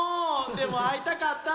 でもあいたかった！